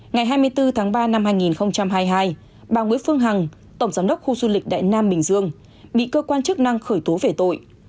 ngày hai mươi bốn tháng ba năm hai nghìn hai mươi hai bà nguyễn phương hằng tổng giám đốc khu du lịch đại nam bình dương bị cơ quan chức năng khởi tố về tội